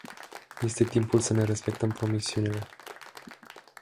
Este timpul să ne respectăm promisiunile.